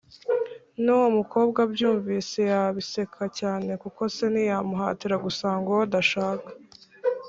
n’uwo mukobwa abyumvise yabiseka cyane kuko se ntiyamuhatira gusanga uwo adashaka